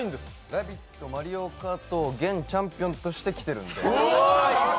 ラヴィット！マリオカート王現チャンピオンとして来てます。